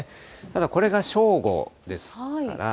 ただこれが正午ですから。